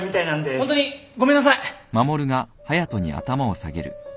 ホントにごめんなさい。